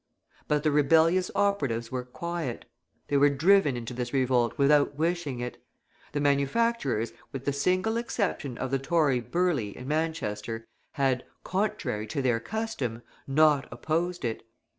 But the rebellious operatives were quiet. They were driven into this revolt without wishing it. The manufacturers, with the single exception of the Tory Birley, in Manchester, had, contrary to their custom, not opposed it.